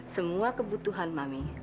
semua kebutuhan mami